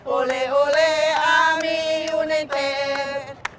โอเล่โอเล่อัมมี่อยู่ในเต้น